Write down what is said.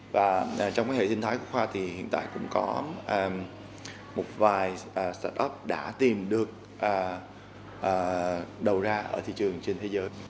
và trong hệ sinh thái của khoa thì hiện tại cũng có một vài start up đã tìm được đầu ra ở thị trường trên thế giới